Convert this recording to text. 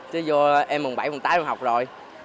chứ vô em mùng bảy mùng tám và học rồi